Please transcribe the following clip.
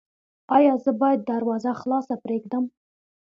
ایا زه باید دروازه خلاصه پریږدم؟